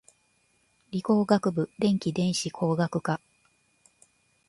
理工学部電気電子工学科